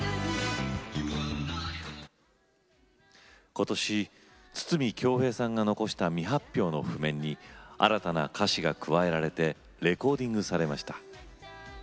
今年、筒美京平さんが残した未発表の譜面に新たな歌詞が加えられてレコーディングされました。